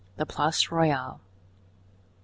The Place Royale.